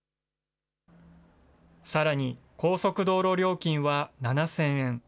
さらに高速道路料金は７０００円。